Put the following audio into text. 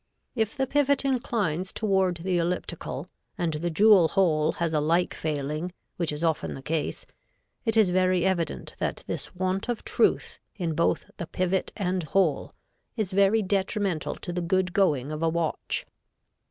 If the pivot inclines toward the elliptical and the jewel hole has a like failing, which is often the case, it is very evident that this want of truth in both the pivot and hole is very detrimental to the good going of a watch.